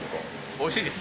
おいしいです。